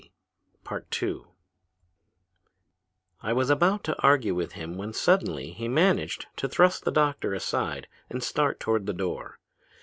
"I was about to argue with him when suddenly he managed to thrust the doctor aside and start toward the door.